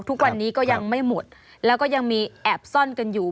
ทุกวันนี้ก็ยังไม่หมดแล้วก็ยังมีแอบซ่อนกันอยู่